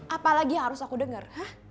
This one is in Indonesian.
apalagi harus aku denger